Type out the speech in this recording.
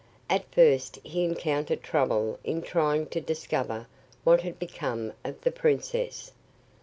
At first he encountered trouble in trying to discover what had become of the princess.